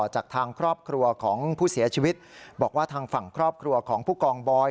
จากทางครอบครัวของผู้เสียชีวิตบอกว่าทางฝั่งครอบครัวของผู้กองบอย